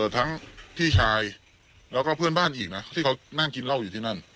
ทั้งพี่ชายแล้วก็เพื่อนบ้านอีกนะที่เขานั่งกินเหล้าอยู่ที่นั่น